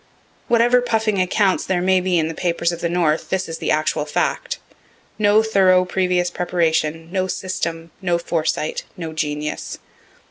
Whatever puffing accounts there may be in the papers of the North, this is the actual fact. No thorough previous preparation, no system, no foresight, no genius.